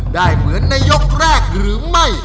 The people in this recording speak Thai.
ได้เหมือนในยกแรกหรือไม่